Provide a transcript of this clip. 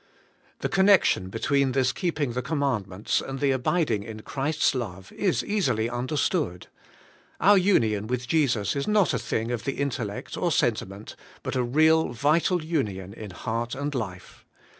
' The connection between this keeping the command ments and the abiding in Christ's love is easily un derstood. Our union with Jesus is not a thing of the intellect or sentiment, but a real vital union in heart and life.